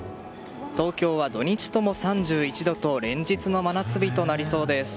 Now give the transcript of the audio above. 東京は土日とも３１度と連日の真夏日となりそうです。